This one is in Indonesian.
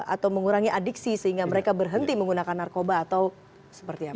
atau mengurangi adiksi sehingga mereka berhenti menggunakan narkoba atau seperti apa